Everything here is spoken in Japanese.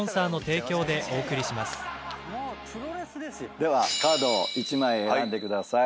ではカードを１枚選んでください。